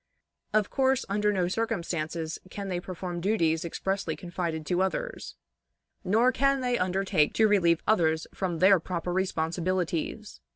Of course, under no circumstances, can they perform duties expressly confided to others, nor can they undertake to relieve others from their proper responsibilities.